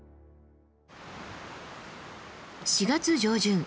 ４月上旬